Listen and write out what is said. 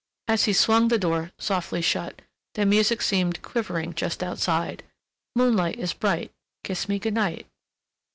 As he swung the door softly shut, the music seemed quivering just outside. "Moonlight is bright, Kiss me good night."